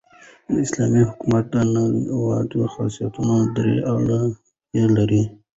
د اسلامي حکومت د نړۍوالتوب خاصیتونه درې اړخه لري.